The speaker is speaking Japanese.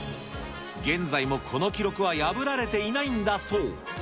現在もこの記録は破られていないんだそう。